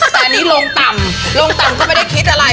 แต่อันนี้ลงต่ำลงต่ำก็ไม่ได้คิดอะไร